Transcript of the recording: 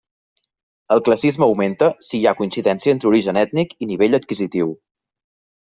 El classisme augmenta si hi ha coincidència entre origen ètnic i nivell adquisitiu.